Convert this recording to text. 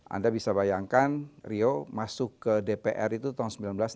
anda bisa bayangkan rio masuk ke dpr itu tahun seribu sembilan ratus delapan puluh